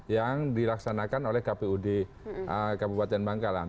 yang dilaksanakan oleh kpud kabupaten bangkalan